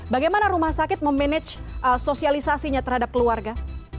bagaimana rumah sakit memanage sosialisasinya terhadap keluarga